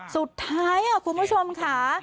สุดท้ายอ่ะคุณผู้ชมค่ะ